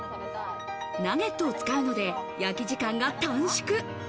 ナゲットを使うので、焼き時間が短縮。